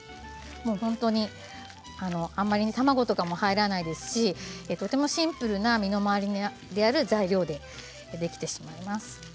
もう本当に卵とかも入らないですし、シンプルな身の回りにある材料でできてしまいます。